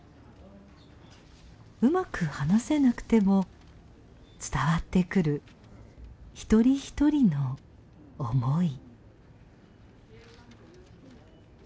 うまく話せなくても伝わってくる一人一人の思い。